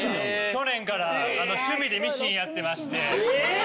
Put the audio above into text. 去年から趣味でミシンやってまして。